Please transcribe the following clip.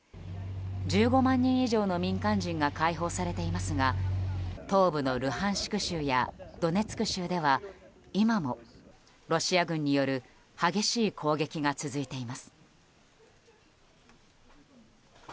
１５万人以上の民間人が解放されていますが東部のルハンシク州やドネツク州では今もロシア軍による激しい攻撃が続いています。